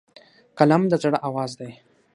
قلم د زړه آواز دی